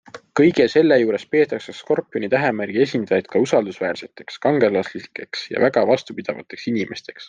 Kõige selle juures peetakse Skorpioni tähemärgi esindajaid ka usaldusväärseteks, kangelaslikeks ja väga vastupidavateks inimesteks.